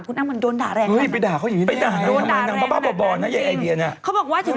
คุณอ้ำมันโดนด่าแรงมากจริงนะครับโดนด่าแรงมากจริง